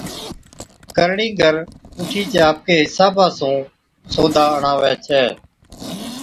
ڪرڻِيگر اُٺِيچ آپڪي حصابا سُون سودا اڻاوَي ڇَي